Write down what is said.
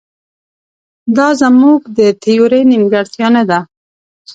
دا زموږ د تیورۍ نیمګړتیا نه ده.